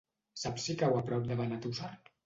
Saps si cau a prop de Benetússer?